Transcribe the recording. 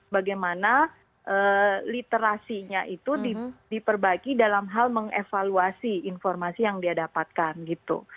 bagaimana literasinya itu diperbaiki dalam hal mengevaluasi informasi yang dia dapatkan gitu